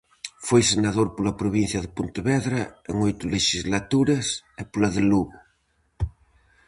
Foi senador pola provincia de Pontevedra en oito lexislaturas e pola de Lugo.